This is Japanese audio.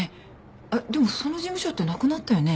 あっでもその事務所ってなくなったよね？